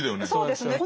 そうですね。